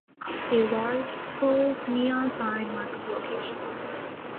A large "Croll's" neon sign marks the location.